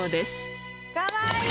かわいい！